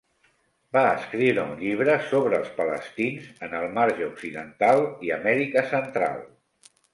Va escriure un llibre sobre els Palestins en el Marge Occidental i Amèrica Central.